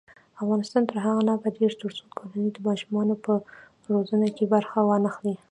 افغانستان تر هغو نه ابادیږي، ترڅو کورنۍ د ماشومانو په روزنه کې برخه وانخلي.